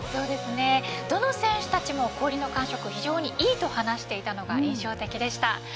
どの選手たちも氷の感触を非常にいいと話していたのが印象的でした。